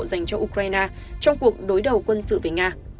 dành cho ukraine trong cuộc đối đầu quân sự về nga